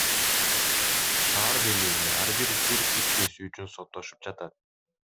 Шаар бийлиги ар бир жер тилкеси үчүн соттошуп жатат.